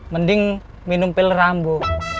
mending minum pil rambo